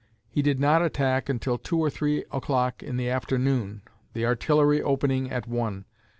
He did not attack until two or three o'clock in the afternoon, the artillery opening at one....